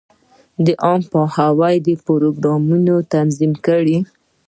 د عامه پوهاوي پروګرامونه تنظیم کړي.